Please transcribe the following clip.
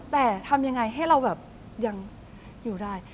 แต่ทำยังไงให้เราแบบยังอยู่ได้